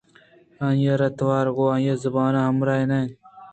آئی ءِ توار گوں آئی ءِ زبان ءَ ہمراہ نہ اَت